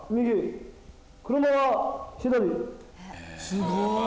すごーい！